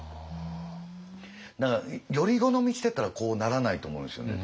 だからより好みしてたらこうならないと思うんですよね